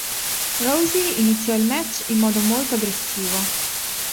Rousey iniziò il match in modo molto aggressivo.